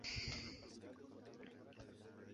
De planta rectangular, consta de planta baja y un piso.